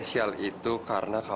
jangan pandai saja